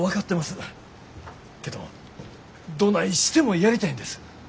けどどないしてもやりたいんです。